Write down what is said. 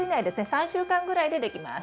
３週間ぐらいでできます。